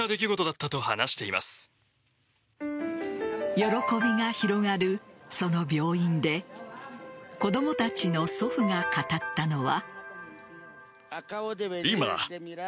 喜びが広がるその病院で子供たちの祖父が語ったのは。